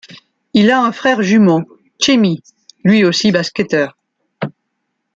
Il a un frère jumeau, Txemi, lui aussi basketteur.